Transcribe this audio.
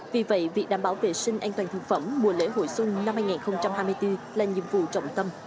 vì vậy việc đảm bảo vệ sinh an toàn thực phẩm mùa lễ hội xuân năm hai nghìn hai mươi bốn là nhiệm vụ trọng tâm